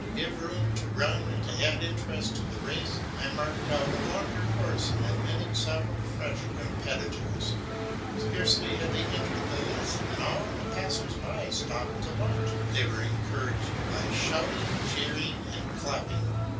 To give room to run and to add interest to the race I marked out a longer course and admitted several fresh competitors. Scarcely had they entered the lists than all the passers by stopped to watch. They were encouraged by shouting, cheering, and clapping.